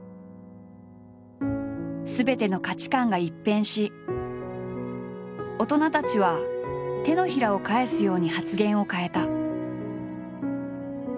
すべての価値観が一変し大人たちは手のひらを返すように発言を変えた。